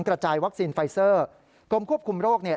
กระจายวัคซีนไฟเซอร์กรมควบคุมโรคเนี่ย